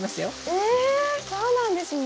えそうなんですね。